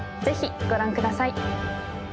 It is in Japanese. ぜひご覧ください